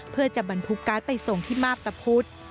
เพื่อจะบรรทุกการ์ดไปส่งที่มาพตะพุธ